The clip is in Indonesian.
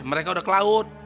mereka sudah ke laut